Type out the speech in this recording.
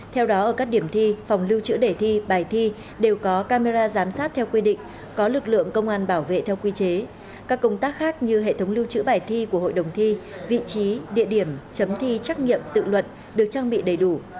theo đó ở các điểm thi phòng lưu trữ để thi bài thi đều có camera giám sát theo quy định có lực lượng công an bảo vệ theo quy chế các công tác khác như hệ thống lưu trữ bài thi của hội đồng thi vị trí địa điểm chấm thi trắc nghiệm tự luận được trang bị đầy đủ